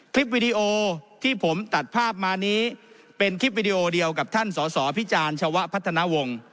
คลิปวิดีโอที่ผมตัดภาพมานี้เป็นคลิปวิดีโอเดียวกับท่านสอสอพิจารณ์ชาวพัฒนาวงศ์